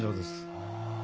はあ。